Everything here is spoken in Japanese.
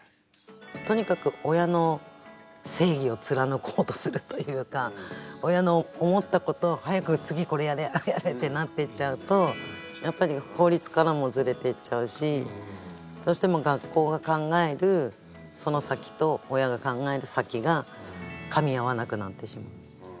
とにかく親の正義を貫こうとするというか親の思ったことを早く次これやれあれやれってなっていっちゃうとやっぱり法律からもずれていっちゃうしどうしても学校が考えるその先と親が考える先がかみ合わなくなってしまう。